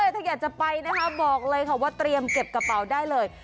ถ้าอยากจะไปนะคะบอกเลยค่ะว่าเตรียมเก็บกระเป๋าได้เลย